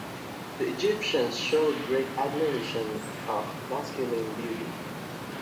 The Egyptians showed great admiration of masculine beauty.